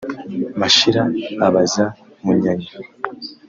Mashira abaza Munyanya